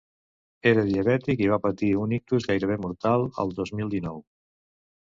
Era diabètic i va patir un ictus gairebé mortal el dos mil dinou.